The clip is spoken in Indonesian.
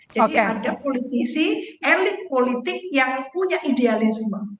ada politisi elit politik yang punya idealisme